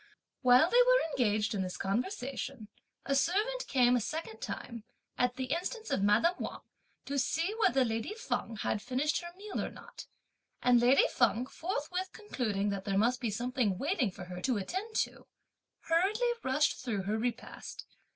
While they were engaged in this conversation, a servant came a second time, at the instance of madame Wang, to see whether lady Feng had finished her meal or not; and lady Feng forthwith concluding that there must be something waiting for her to attend to, hurriedly rushed through her repast.